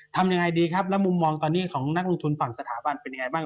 ทำยังไงดีครับแล้วมุมมองตอนนี้ของนักลงทุนฝั่งสถาบันเป็นยังไงบ้าง